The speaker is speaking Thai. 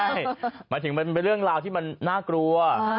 หมายถึงมันเป็นเรื่องราวที่มันน่ากลัว